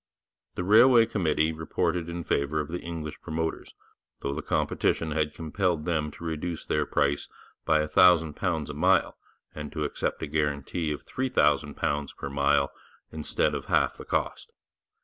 The railway committee reported in favour of the English promoters, though the competition had compelled them to reduce their price by a thousand pounds a mile, and to accept a guarantee of £3000 per mile instead of half the cost.